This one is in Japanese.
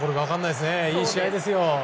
いい試合ですよ。